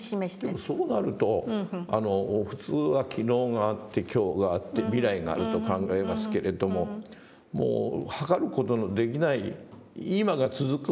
でもそうなると普通は昨日があって今日があって未来があると考えますけれどももう測る事のできない今が続くわけです？